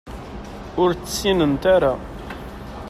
Ur tt-ssinent ara.